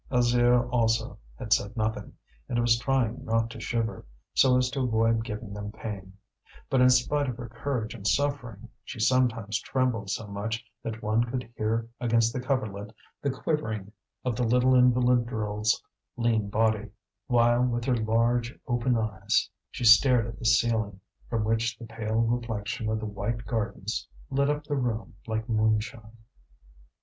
Alzire also had said nothing, and was trying not to shiver, so as to avoid giving them pain; but in spite of her courage in suffering, she sometimes trembled so much that one could hear against the coverlet the quivering of the little invalid girl's lean body, while with her large open eyes she stared at the ceiling, from which the pale reflection of the white gardens lit up the room like moonshine.